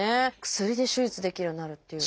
薬で手術できるようになるっていう。